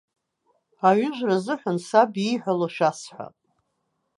Аҩыжәра азыҳәан саб ииҳәало шәасҳәап.